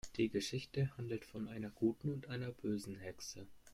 Die Geschichte handelt von einer guten und einer bösen Hexe.